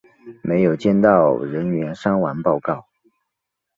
没有接到人员伤亡报告。